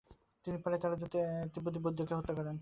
তিনি প্রায় তেরোজন তিব্বতী বৌদ্ধ পন্ডিতকে হত্যা করেছিলেন।